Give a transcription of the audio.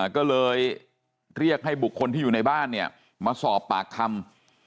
ก็เลยเรียกให้บุคคลที่อยู่ในบ้านมาสอบปากคำ